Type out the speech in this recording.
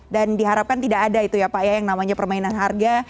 dan diharapkan tidak ada itu ya pak ya yang namanya permainan harga